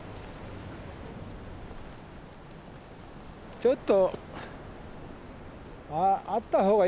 ちょっと。